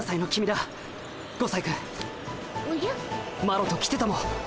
マロと来てたも。